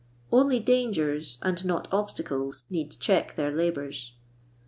Only dangers, and not obstacles, need check their labours.